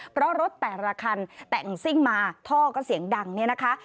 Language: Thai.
เพราะรถแต่ละคันแต่งซิ่งมาท่อก็เสียงดังเนี่ยนะคะ